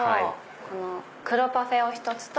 この黒パフェを１つと。